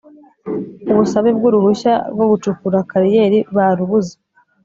Ubusabe bw’ uruhushya rwo gucukura kariyeri barubuze.